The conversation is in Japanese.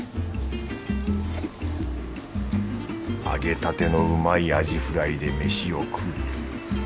揚げたてのうまいアジフライで飯を食う。